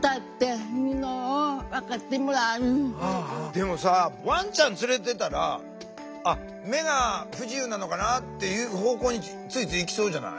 でもさワンちゃん連れてたら目が不自由なのかなっていう方向についついいきそうじゃない？